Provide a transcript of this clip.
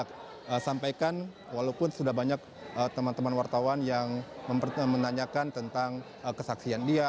saya sampaikan walaupun sudah banyak teman teman wartawan yang menanyakan tentang kesaksian dia